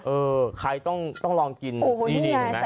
เออใครต้องลองกินนี่เห็นไหม